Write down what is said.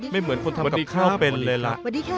ไม่เหมือนคนทำกับข้าวเป็นเลยล่ะ